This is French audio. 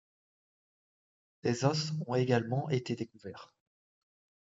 Des os ont également été découverts.